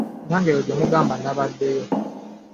Nange eyo gye mugamba nabaddeyo.